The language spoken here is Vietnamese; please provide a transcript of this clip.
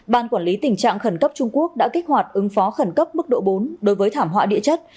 ban quản lý tình trạng khẩn cấp trung quốc đã kích hoạt ứng phó khẩn cấp mức độ bốn đối với thảm họa địa chất